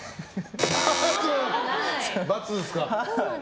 ×ですか！